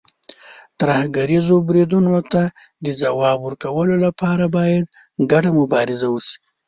ترهګریزو بریدونو ته د ځواب ورکولو لپاره، باید ګډه مبارزه وشي.